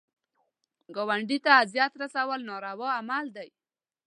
ګاونډي ته اذیت رسول ناروا عمل دی